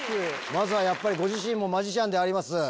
まずはやっぱりご自身もマジシャンであります